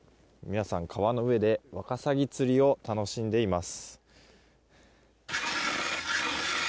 皆さん、川の上でワカサギ釣りを楽しんでいます。